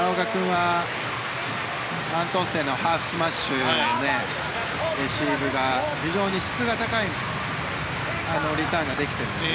アントンセンのハーフスマッシュのレシーブが非常に質が高いリターンができているので。